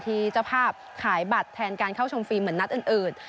เจ้าภาพขายบัตรแทนการเข้าชมฟิล์เหมือนนัดอื่น